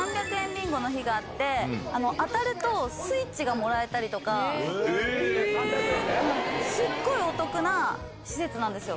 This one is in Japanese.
ビンゴの日があって当たるとＳｗｉｔｃｈがもらえたりとかすっごいお得な施設なんですよ。